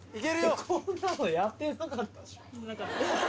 こんなのやってなかったでしょ？